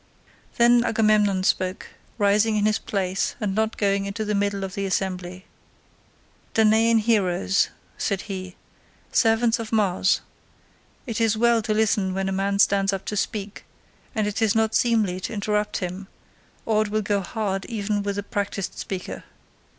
Then Agamemnon spoke, rising in his place, and not going into the middle of the assembly. "Danaan heroes," said he, "servants of Mars, it is well to listen when a man stands up to speak, and it is not seemly to interrupt him, or it will go hard even with a practised speaker.